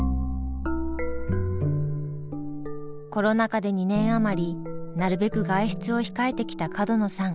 コロナ禍で２年余りなるべく外出を控えてきた角野さん。